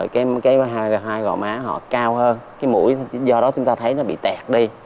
cái hai gò má họ cao hơn cái mũi do đó chúng ta thấy nó bị tẹt đi